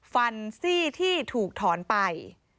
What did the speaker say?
ซี่ที่ถูกถอนไป